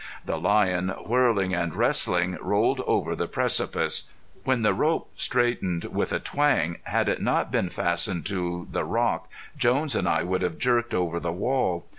The lion, whirling and wrestling, rolled over the precipice. When the rope straightened with a twang, had it not been fastened to the rock, Jones and I would have jerked over the wall.